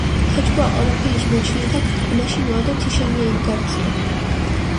თეჯგუა ჸოროფილიშ მოჩილათაქ ქჷგმაშინუა დო თიშენიე იბგარქიე.